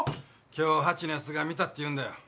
今日八のやつが見たっていうんだよ。